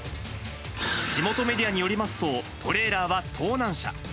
地元メディアによりますと、トレーラーは盗難車。